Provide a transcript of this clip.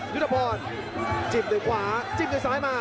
ยุทธพอร์ตจิบตัวขวาจิบตัวซ้ายมา